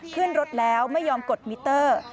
ขึ้นรถแล้วไม่ยอมกดมิเตอร์